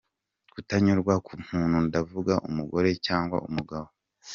kutanyurwa kumuntu ndavuga umugore cg umugabo.